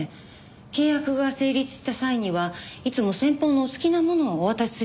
契約が成立した際にはいつも先方のお好きなものをお渡しするようにしてまして。